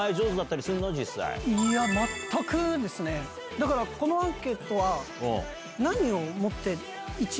だからこのアンケートは。